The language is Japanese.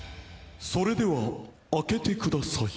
それでは開けてください。